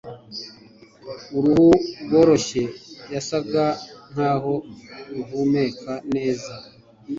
Uruhu rworoshye yasaga nkaho ruhumeka neza